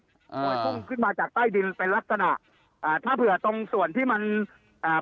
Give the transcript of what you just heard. อ่าปล่อยพุ่งขึ้นมาจากใต้ดินเป็นลักษณะอ่าถ้าเผื่อตรงส่วนที่มันอ่า